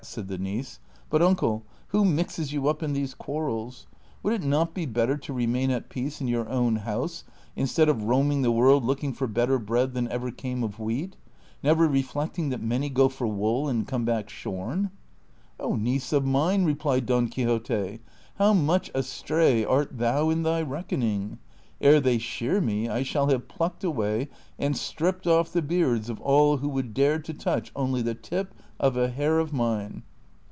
said the niece; "but, uncle, who mixes you up in these quarrels ? Would it not be better to 'Friston, a magician, the reputed author of Belianis de Grecia. CHAPTER VII. 43 remain at peace in your own house instead of roaming the world looking for better bread than ever came of wheat/ never reflecting that many go for wool and come back shorn ?"'^" Oh, niece of mine," replied Don Quixote, '' how much astray art thou in thy reckoning : ere they shear me I shall have plucked away and stripped off the beards of all who would dare to touch only the tip of a hair of mine."